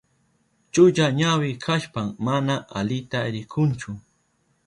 Chulla ñawi kashpan mana alita rikunchu.